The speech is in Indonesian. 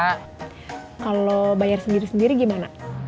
kalau bayar sendiri sendiri gimana